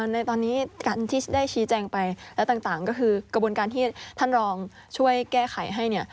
ในตอนนี้การที่ได้ชี้แจงไปแล้วต่างก็คือกระบวนการที่ท่านรองช่วยแก้ไขให้เนี่ย